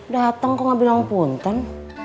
datang kok gak bilang punten